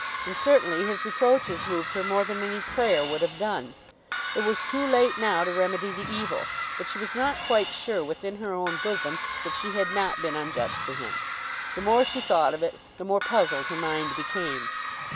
And certainly his reproaches moved her more than any prayer would have done. It was too late now to remedy the evil; but she was not quite sure within her own bosom that she had not been unjust to him. The more she thought of it the more puzzled her mind became.